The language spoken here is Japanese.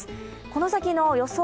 この先の予想